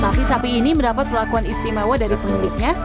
sapi sapi ini mendapat perlakuan istimewa dari pemiliknya